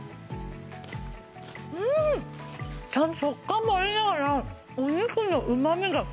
うーん！ちゃんと食感もありながらお肉のうまみがすごいです。